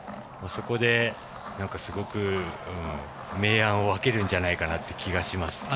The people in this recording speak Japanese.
そこで、すごく明暗を分けるんじゃないかなって気がします。